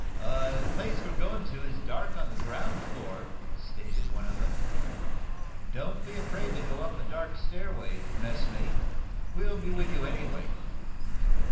"The place we're going to is dark on the ground floor," stated one of them. "Don't be afraid to go up a dark stairway, messmate. We'll be with you, anyway."